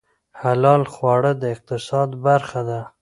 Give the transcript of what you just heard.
حلال خواړه د اقتصاد برخه ده